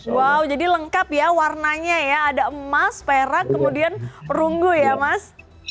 wow jadi lengkap ya warnanya ya ada emas perak kemudian perunggu ya mas